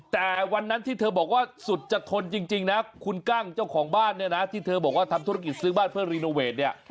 แต่วันนั้นที่เธอบอกว่าสุดจะทนจริงนะคุณกั้งเจ้าของบ้านเนี่ยนะที่เธอบอกว่าทำธุรกิจซื้อบ้านเพื่อรีโนเวทเนี่ย